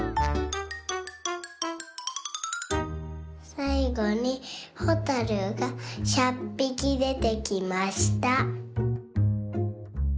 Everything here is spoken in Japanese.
さいごにほたるが１００ぴきでてきました。